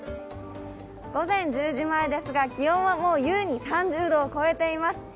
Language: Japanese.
午前１０時前ですが、気温はもうゆうに３０度を超えています。